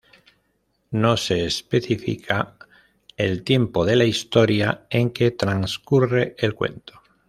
No se especifica el tiempo de la Historia en que transcurre el cuento.